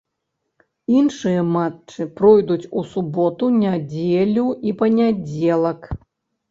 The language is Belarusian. Іншыя матчы пройдуць у суботу, нядзелю і панядзелак.